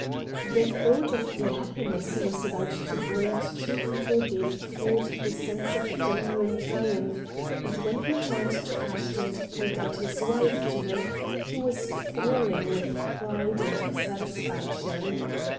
The thought of the happiness he was about to bring to two young people gave Ford the sense of a genuine triumph, and when he turned to Ashton to point out his wife to him he was thrilling with pride and satisfaction.